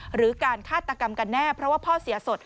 หรือการฆาตกรรมกันแน่เพราะว่าพ่อเสียสด